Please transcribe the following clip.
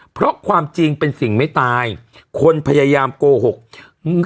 เพราะความจริงเป็นสิ่งไม่ตายคนพยายามโกหกอืม